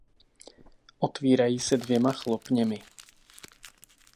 Otvírají se dvěma chlopněmi.